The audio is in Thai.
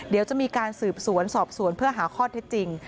เดี๋ยวจะมีการสืบสวนสอบสวนเพื่อหาข้อเท็จจริง